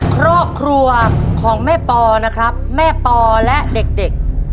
ครอบครัวของแม่ปอนะครับแม่ปอและเด็ก